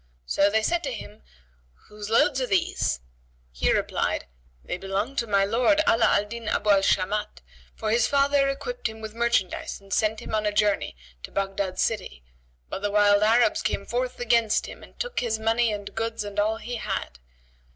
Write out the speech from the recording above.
So they said to him, "Whose loads are these?" He replied, "They belong to my lord Ala al Din Abu al Shamat; for his father equipped him with merchandise and sent him on a journey to Baghdad city; but the wild Arabs came forth against him and took his money and goods and all he had.